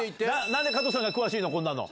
何で加藤さんが詳しいの？